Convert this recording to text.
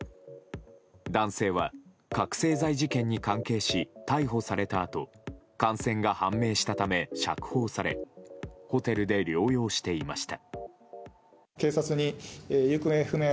男性は覚醒剤事件に関係し逮捕されたあと感染が判明したため釈放されホテルで療養していました。